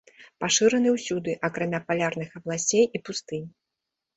Пашыраны ўсюды, акрамя палярных абласцей і пустынь.